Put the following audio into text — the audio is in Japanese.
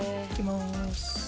いきます。